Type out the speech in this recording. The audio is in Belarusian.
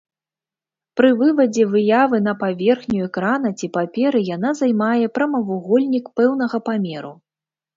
Пры вывадзе выявы на паверхню экрана ці паперы яна займае прамавугольнік пэўнага памеру.